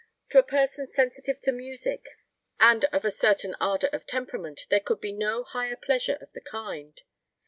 To a person sensitive to music and of a certain ardor of temperament there could be no higher pleasure of the kind.